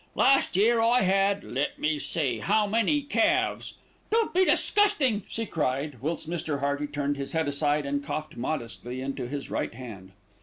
Last year I had let me see, how many calves " "Don't be disgusting," she cried, whilst Mr. Hearty turned his head aside, and coughed modestly into his right hand.